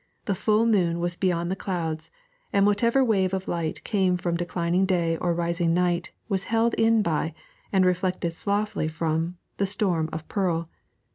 The full moon was beyond the clouds, and whatever wave of light came from declining day or rising night was held in by, and reflected softly from, the storm of pearl.